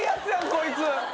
こいつ。